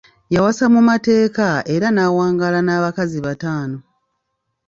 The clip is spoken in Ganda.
Yawasa mu mateeka era n'awangaala n'abakazi bataano.